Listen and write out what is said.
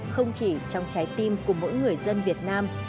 không chỉ trong trái tim của mỗi người dân việt nam